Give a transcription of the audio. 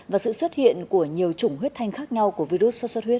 và sự xuất hiện của nhiều chủng huyết thanh khác nhau của virus sốt xuất huyết